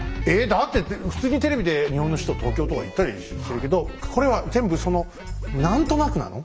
だって普通にテレビで「日本の首都は東京」とか言ったりするけどこれは全部その何となくなの？